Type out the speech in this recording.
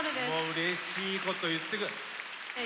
うれしいこと言ってくれる。